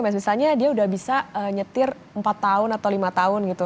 misalnya dia udah bisa nyetir empat tahun atau lima tahun gitu